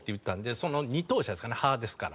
その２等車ですかねハですから。